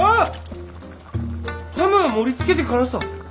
ハムは盛りつけてからさ。